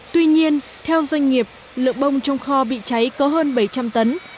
tuy nhiên theo doanh nghiệp lượng bông trong kho bị cháy có hơn bảy trăm linh tấn